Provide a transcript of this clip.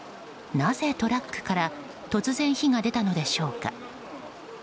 なぜトラックから突然、火が出たのでしょうか。